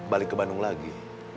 balik ke bandung lagi